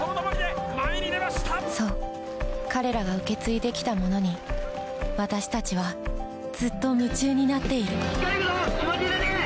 そう彼らが受け継いできたものに私たちはずっと夢中になっている・行けるぞ！